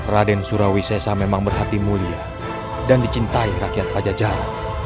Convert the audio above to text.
raden surawi sesa memang berhati mulia dan dicintai rakyat pajajara